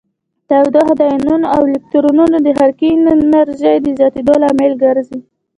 تودوخه د ایونونو او الکترونونو د حرکې انرژي د زیاتیدو لامل ګرځي.